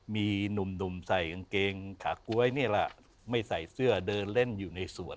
มีหนุ่มใส่กางเกงขาก๊วยนี่แหละไม่ใส่เสื้อเดินเล่นอยู่ในสวน